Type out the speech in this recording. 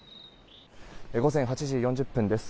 午前８時４０分です。